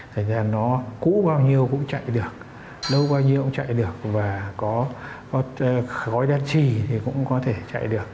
thì là nó cũ bao nhiêu cũng chạy được lâu bao nhiêu cũng chạy được và có gói đen chì thì cũng có thể chạy được